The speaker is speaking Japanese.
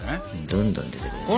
どんどん出てくるね。